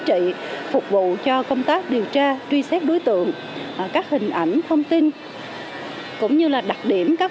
trị phục vụ cho công tác điều tra truy xét đối tượng các hình ảnh thông tin cũng như là đặc điểm các